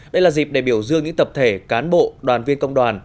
đây là dịp để biểu dương những tập thể cán bộ đoàn viên công đoàn